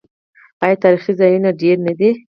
آیا تاریخي ځایونه یې ډیر نه دي؟